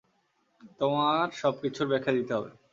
তোমার সবকিছুর ব্যাখ্যা দিতে হবে।